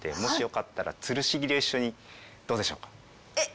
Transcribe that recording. えっ！